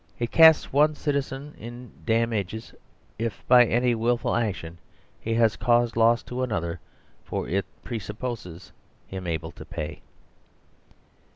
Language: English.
It casts one citizen in dam ages if by any wilful action he has caused loss to an other for it presupposes him able to pay.